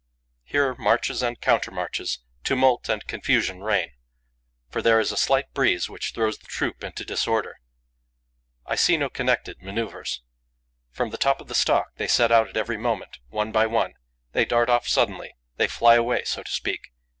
Here, marches and countermarches, tumult and confusion reign, for there is a slight breeze which throws the troop into disorder. I see no connected manoeuvres. From the top of the stalk they set out at every moment, one by one; they dart off suddenly; they fly away, so to speak.